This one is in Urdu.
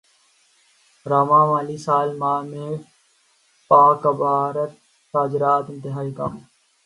رواں مالی سال ماہ میں پاکبھارت تجارت انتہائی کم